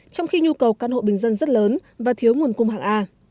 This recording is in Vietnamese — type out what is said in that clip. trong khi nhu cầu căn hộ bình dân rất lớn và thiếu nguồn cung hàng a